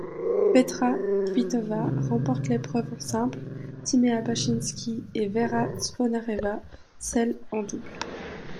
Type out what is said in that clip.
Petra Kvitová remporte l'épreuve en simple, Timea Bacsinszky et Vera Zvonareva celle en double.